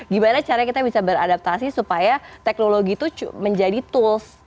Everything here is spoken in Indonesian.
gimana caranya kita bisa beradaptasi supaya teknologi itu menjadi tools